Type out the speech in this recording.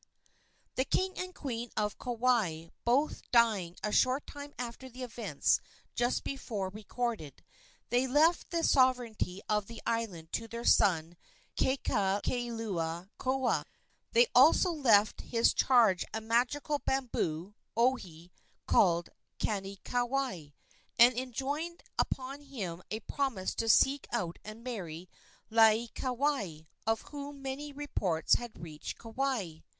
The king and queen of Kauai both dying a short time after the events just before recorded, they left the sovereignty of the island to their son, Kekalukaluokewa. They also left in his charge a magical bamboo (ohe) called Kanikawi, and enjoined upon him a promise to seek out and marry Laieikawai, of whom many reports had reached Kauai.